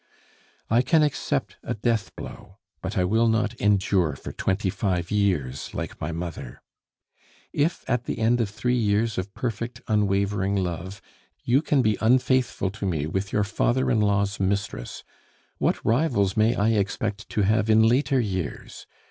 "I can accept a death blow, but I will not endure for twenty five years, like my mother. If, at the end of three years of perfect, unwavering love, you can be unfaithful to me with your father in law's mistress, what rivals may I expect to have in later years?